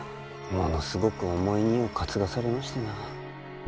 ものすごく重い荷を担がされましてな。